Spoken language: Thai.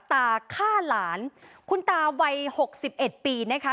ตาฆ่าหลานคุณตาวัยหกสิบเอ็ดปีนะคะ